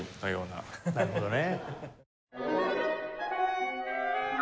なるほどね。